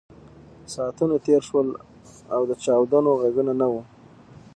ساعتونه تېر شول او د چاودنو غږونه نه وو